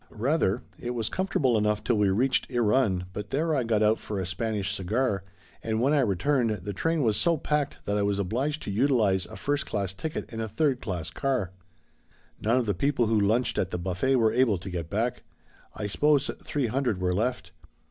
"Rather. It was comfortable enough till we reached Irun, but there I got out for a Spanish cigar, and when I returned, the train was so packed that I was obliged to utilize a first class ticket in a third class car. None of the people who lunched at the buffet were able to get back. I suppose three hundred were left.